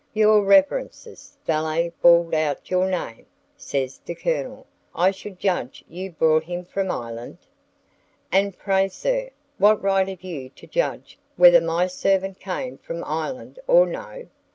"Your Reverence's valet bawled out your name," says the Colonel. "I should judge you brought him from Ireland?" "And pray, sir, what right have you to judge whether my servant came from Ireland or no?